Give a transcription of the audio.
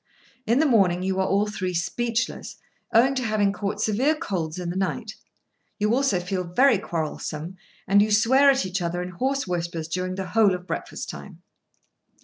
In the morning you are all three speechless, owing to having caught severe colds in the night; you also feel very quarrelsome, and you swear at each other in hoarse whispers during the whole of breakfast time.